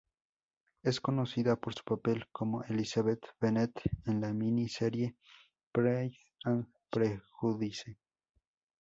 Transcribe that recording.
Es conocida por su papel como Elizabeth Bennet en la mini-serie "Pride and Prejudice".